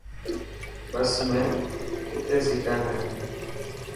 بس ۾ ڪتي سيٽان هي.